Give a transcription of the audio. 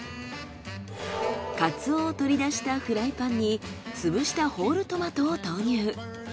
カツオを取り出したフライパンに潰したホールトマトを投入。